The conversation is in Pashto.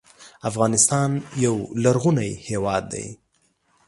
افغانستان یو لرغونی هېواد دی.